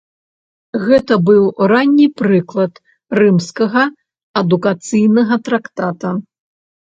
Гэта быў ранні прыклад рымскага адукацыйнага трактата.